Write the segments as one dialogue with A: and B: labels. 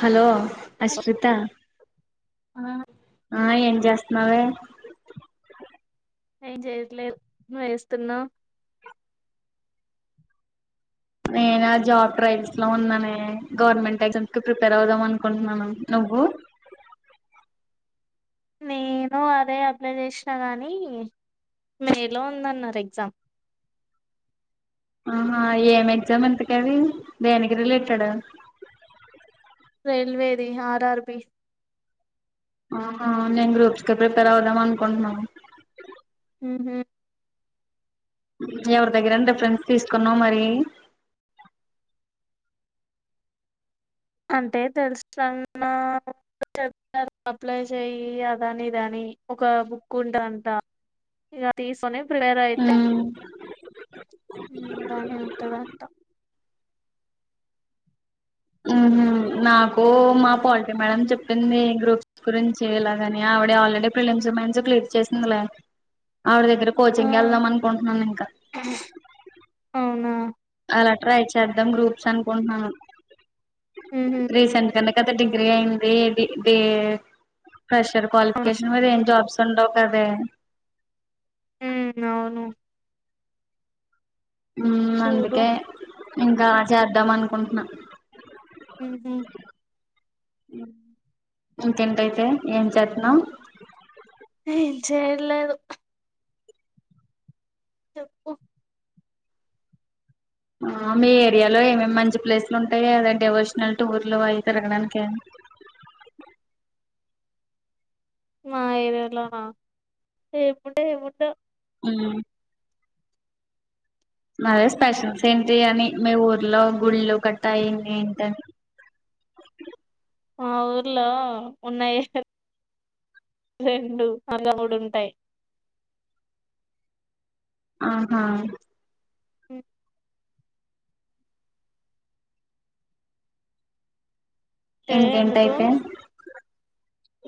A: hello
B: hello
A: Ashritha
B: ఆ
A: ఆ ఏం జేస్తున్నావే
B: ఏం చేయట్లేదు వేస్తున్నా
A: నేనా జాబ్ ట్రయల్స్ లో ఉన్నానే గవర్నమెంట్ ఎగ్జామ్స్ కి ప్రిపేర్ అవుదాం అనుకుంటున్నాను ముగ్గు
B: నేను అదే అప్లై చేసినా గానీ మేలో ఉందన్నారు ఎగ్జామ్
A: ఆహా ఏం ఎగ్జామ్ ఇంతకీ అది దేనికి రిలేటడ్
B: రైల్వేది ఆర్ఆర్ బి
A: ఆహా నేను గ్రూప్స్ కే ప్రిపేర్ అవుదాం అనుకుంటున్నాను
B: ఉహు
A: ఎవరి దగ్గరన రిఫరెన్స్ తీసుకున్నా మరి
B: అంటే తెలుసుతన్న చెప్తారు అప్లై చేయి అదని ఇదని ఒక బుక్ ఉంటదంట ఇగ తీకోనే ప్రిరేల్ అయితే
A: ఉమ్
B: ఉ బానే ఉంటదంట
A: ఉహు నాకు మా పాలిటి మేడం చెప్పింది గ్రూప్స్ గురించి ఇలాగని ఆవిడే already prelims mains clear చేసిందిలే ఆవిడ దగ్గర
B: ఆ
A: కోచింగ్ వెళ్దాం అనుకుంటున్నాను ఇంకా
B: అవునా
A: అలా ట్రై చేద్దాం గ్రూప్ అనుకున్నాను
B: ఉహు
A: రీసెంట్ గానే అ డిగ్రీ అయింది ప్రెషర్
B: అవును
A: క్వాలిఫికేషన్ మీద ఏం జాబ్స్ ఉండవుకాదే
B: ఉమ్ అవును చూడు
A: అందుకే ఇంకా చేద్దాం అనుకుంటున్నా
B: హ
A: ఇంకెంటైతే ఏం చేస్తున్నావు
B: ఏం చేయర్లేదు చెప్పు
A: ఆ మీ ఏరియాలో ఏమేమి మంచి ప్లేసులు ఉంటాయి కదా డెవోషనల్ టూర్లు అవి తిరగడానినికి
B: మా ఏర్యలోన ఏముంట ఏముండు
A: న స్పెషల్ సీన్ బిర్యానీ మీ ఊర్లో గుళ్ళు కట్టాయింది ఏంట
B: మా ఊర్లో ఉన్నాయి రెండు అలా కూడాడు ఉంటాయి
A: ఆహా
B: ఎ అంటే ఎందుకు
A: ఇంకేంటయితే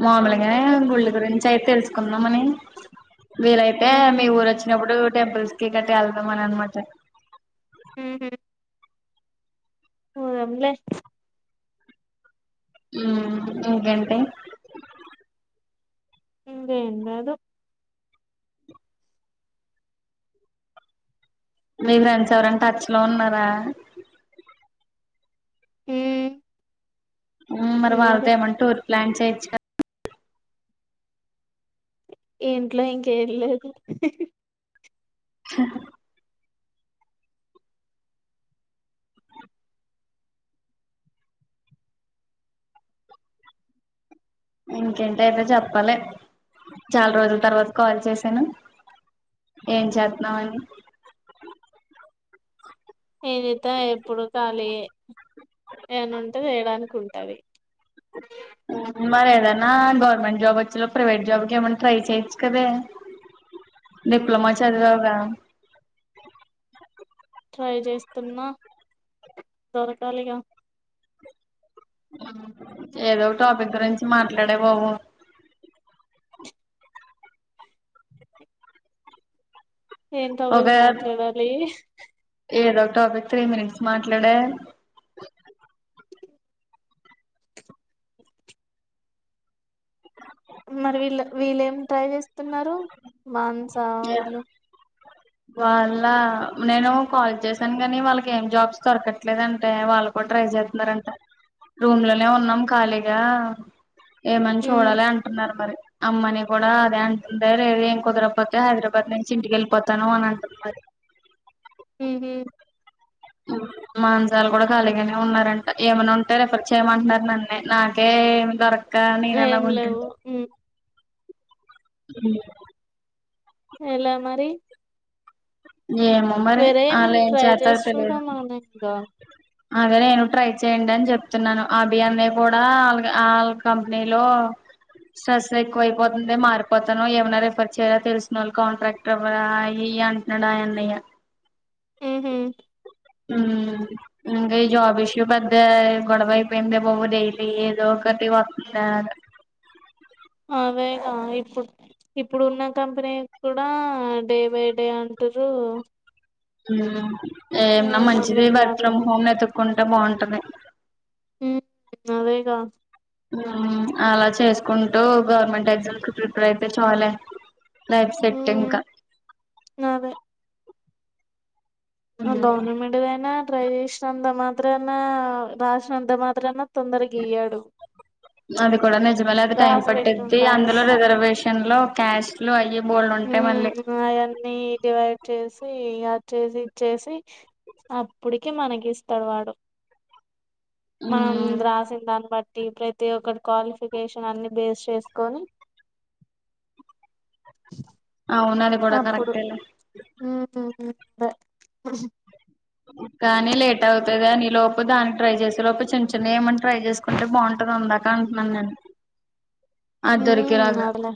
A: మామలుగానే
B: ఉహు
A: గుళ్ళ గురించి అయితే తెలుసుకుందాంమని వీరైతే మీ ఊరు వచ్చినప్పుడు టెంపుల్స్ కి గట్టటి వెళ్దాం అని అనమాట
B: హ పోదాం లే
A: ఉ మీకంటే
B: అేంట అద
A: మీ ఫ్రెండ్స్ ఎవరంట టచ్ లో ఉన్నారా
B: హ
A: మరి వాళ్ళదేమన్నా టూర్ ప్లాన్ చేయొచ్చు కదా
B: ఇంట్లో ఇంకేం లేదు
A: స ఇంకేంటి అయితే చెప్పాలి చాలా రోజుల తర్వాత కాల్ చేసాను ఏం చేతున్నామని
B: నేనుత ఎప్పుడు కాలి ఏను ఉంటే చేయడానికి ఉంటవి
A: అ మరి ఏదనా గవర్నమెంట్ జాబ్ వచ్చేలో ప్రైవేట్ జాబ్కి ఏమన్నా ట్రై చేయొచ్చు కదే డిప్లమా చది
B: ట్రై చేస్తున్నా దొరకాలిగా
A: ఏదో టాపిక్ గురించి మాట్లాడే బావు
B: ఏన్
A: ఒక
B: తవగ మాత్రలాడాలి
A: ఏదో ఒక్ టాపిక్ త్రీ మినిట్స్ మాట్లాడే
B: మరి వీళ్ళు వీళ్ళ ఏం ట్రై చేస్తున్నారు బాస వీళ్ళు
A: వాళ్ళ నేను కాల్ చేశాను కాని వాళ్ళకి ఏం జాబ్స్ దొరకట్లేదుంటే వాళ్ళ కూడా ట్రై చేస్తున్నారంట రూమ్ లోనే ఉన్నాం ఖాళీగా ఏమని చూడాలి అంటున్నారు మరి అమ్మని కూడా అదే అంటుంద లేదదు ఏం కుదరప్పక హైదరాబాద్ అక్కడి నుంచి ఇంటికెళ్ళిపోతాను అని అంటు మరి
B: హ
A: మాంజాలు కూడా ఖాళీగానే ఉన్నారంట ఏమైనా ఉంటే రెఫర్ చేయమంటున్నారు నన్నే నా ఒకే దొరక ననలా
B: ఏం
A: ఉంట
B: లేవు
A: హ
B: ఎలా మరి
A: ఏమో మరి
B: వరే
A: వాళ్ళు
B: ఏమని
A: ఏం
B: ట్రై
A: చేస్తారో
B: చేసి
A: తెలియదు
B: చూడం అన్న ఇంకా
A: అదే నేను ట్రై చేయయండి అని చెప్తున్నాను అభి అన్న కూడా వాళ ఆ కంపెనీలో స్ట్రేస్ ఎక్కువైపోతుంది మారిపోత ఏవనా రిఫర్ చేయి తెల్ సోన్ ల్ కాంట్రాక్ట్ ఎవరయి ఈ అన్ అంట్ నాడ్ డఅన్నయ
B: హుహు
A: ఉమ్ ఇంగ ఈ జాబ్ ఇష్యూ పెద్దె ఏ గొడవ అయిపెందే బాబు డైలీ ఏదో ఒకటి వత్ త్యదో [unintelligible]
B: ఆమెగా ఇపు ఇప్పుడు ఉన్న కంపెనీ కూడా డే బై డే అంట్ రు
A: హుమ్ ఏనమ్
B: ఏం
A: మంచిదే
B: అర్థం
A: వర్క్
B: కావట్లే
A: ఫ్రమ్ హోమ్ ఎతుక్కుంటే బాఉంటది
B: హ్మ్ అదే గ
A: హుమ్ అలా చేసుకుంటూ గౌర్ మెంట్ ఎగ్జామ్స్ కి ప్రిప్రిపేరయితే చలే లైఫ్ సెట్
B: మ్,
A: ఇంకా ఉమ్
B: గౌర్ న్ మెంటు దైన ట్రై జేశ్ నంత మాత్రనా అ రాసినంత మాత్రనా
A: అది కూడా నిజమే లే అది టైం
B: రాసి పెట్టి
A: పట్టిది
B: ఉండాలి
A: అందులో రిజర్ వేష్ టెన్ లో క్యాష్ లు ఐ ఎప్
B: హుమ్ అయన్నీ ఇటు అటు స్ ఫీ అద్ చేసి ఇద్ చేసి అప్ డుటికి మనకి ఇస్తడు వాడు మనం
A: ఉమ్
B: రాసిన్ దాన్ బట్ టీ పు రైతే [unintelligible] ఒక్కర్ క్వాలిఫికేషన్ అన్ని బేస్ చేసుకొని
A: అవ్ నండి బుడ కడ [unintelligible] కరక్టే లే
B: ద [unintelligible]
A: కానీ లేట్ అవుతది అని లోపు దాన్ ట్రై చేసే లోపు చిన్న చిన్న ఏమన్ ట్రై చేసుకుంటే బాఉంటర్ అందాక అంట్ నాన్ నేన్ అద్ దొరికేలాగా
B: అదిలే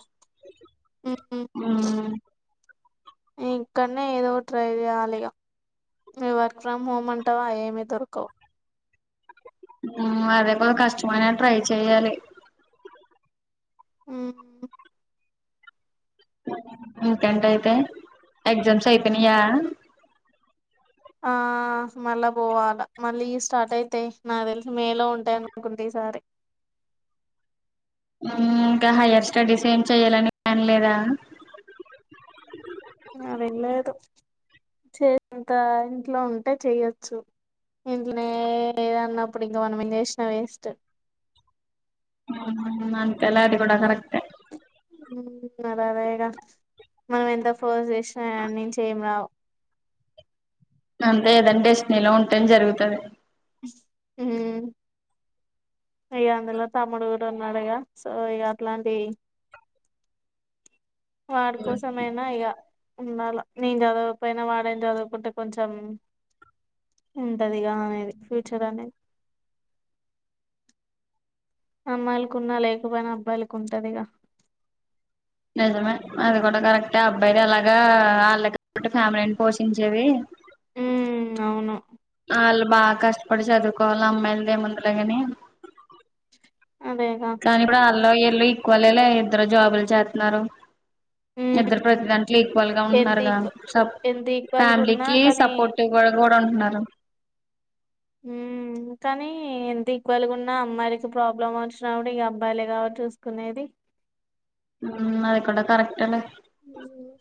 A: హుమ్
B: ఇకన్ నే ఏదో ట్రై జేయ్ లిగా హ్మ్ వర్క్ ఫ్రమ్ హోమ్ అంటావ ఆ ఏమీ దొరకవు
A: హ్మ్ అదేపో కష్టమైన ట్రై చెయ్యాలి
B: హుమ్మ్
A: ఇంకెన్ టయితే ఎగ్ జామ్స్ అయిపెన్ నీయా [inaudible]
B: ఆ ఫూ [unintelligible] మళ్ళా పోవాలా మళ్ళీ స్టార్ట్ అయితాయి నా తెలిసి మేలో ఉంటాయి అనుకుంటి ఈసారి
A: [inaudible] హ్మ్ కా హయర్ స్టడీస్ ఏం చెయలని ప్యన్ లేదా
B: అదేం లేదు చే [unintelligible] అంత ఇంట్లో ఉంటే చేయ్యొచ్చు ఇంట్ల ఏ లేదన్నప్పుడు ఇంక మనం ఏం జేష్ నా వేసస్టు
A: అవునువును అంతేలే అది కూడా కరెక్టే
B: అరేగా మనం ఎంత ఫోస్ చేసిన అనుచ్చి ఏం రావు
A: అంతే ఏదన్ డెస్ట్ నీ లో ఉంటేం జరుగుతది
B: ఉహ్ ఇగ అందులో తమ్ముడు కూడా ఉన్నాడుగ సో ఇగ అట్లాంటి ఇ వాడి కోసమైనా ఇగ ఉండాలా నేన్ చదవపోయినా వాడైన్ జదుకుంటే కొంచమ్ హ్మ్ అది గానిది ఫ్యూచర్ అనేద్ అమ్మాయిల్ కున్నా లేక్ పోయినా అబ్బాయిల కుంటదిగ
A: నిజమే అది కూడా కరెక్టే అబ్బాయి ఇలాగా వాళ్ళ కట్ ఫ్యామిలీని పోషించేది
B: ఉమ్ అవును
A: అళ్ళు బా కస్ట్ పడి చదువుకోవాల అమ్మాయిల్ దేముందులోగని
B: అదేగా
A: కానీ ఇప్ డు అళ్ళు ఇళ్ళు ఈక్ వాలేలే ఇద్దరు జాబ్ ల్ చాత్ న్నారు
B: ఉమ్
A: ఇద్దర్ ప్రత్ దాంట్లో ఈక్వల్ గా ఉట్
B: ఎంత
A: నారుగా
B: ఈక్వ
A: సబ్
B: ఎంత ఈక్వల్గా ఉన్నా
A: ఫ్యామిలీకి
B: కానీ
A: సపోర్టివ్ గూడా గూడా ఉంట్ న్నారు
B: ఉ కానీ ఎంత ఈక్వల్ గా ఉన్నా అమ్మాయిలకి ప్రాబ్లం వచ్చినప్పుడు ఇగ కఅబ్బాయిలే కాబట్టి చూసుకునేది
A: హు అది కూడా కరక్ట్ లే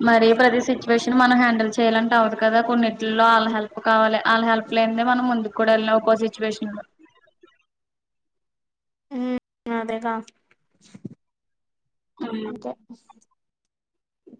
A: మరీ ప్రతి సిచువేషన్ మనం హ్యాండిల్ చేయాలంట అవదు కదా కొన్నింటిల్లో వాళ్ళ హెల్ప్ కావాలి వాళ్ళ హెల్ప్ లేనిదే మనం ముందు కూడా ఎల్లని ఒక సిచ్యువేషన్
B: హు అదేకాగ
A: మ్మ్
B: అంతే [inaudible]